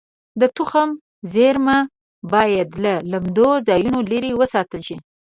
د تخم زېرمه باید له لمدو ځایونو لرې وساتل شي.